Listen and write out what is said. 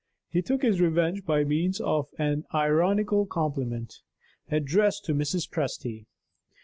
He took his revenge by means of an ironical compliment, addressed to Mrs. Presty.